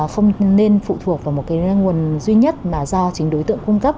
không nên phụ thuộc vào một cái nguồn duy nhất mà do chính đối tượng cung cấp